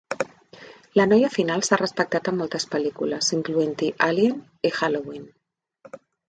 La noia final s'ha respectat en moltes pel·lícules, incloent-hi "Alien" i "Halloween".